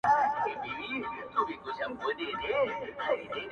له مانه ليري سه زما ژوندون لمبه ،لمبه دی.